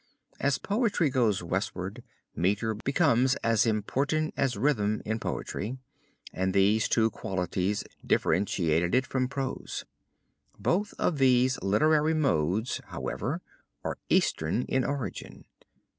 As poetry goes westward meter becomes as important as rhythm in poetry and these two qualities differentiated it from prose. Both of these literary modes, however, are eastern in origin.